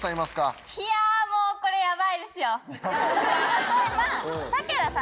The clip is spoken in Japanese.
例えば。